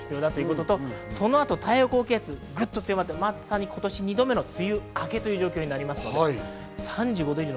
そのあと太平洋高気圧がぐっと強まって、今年２度目の梅雨明けということになります。